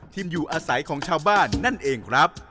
ที่อยู่อาศัยของชาวบ้านนั่นเองครับ